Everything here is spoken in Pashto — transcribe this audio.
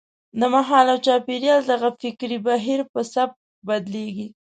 د مهال او چاپېریال دغه فکري بهیر په سبک بدلېږي.